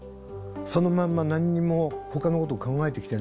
そのまんま何にもほかのことを考えてきてない。